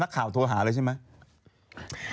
ข่าวโทรหาเลยใช่ไหม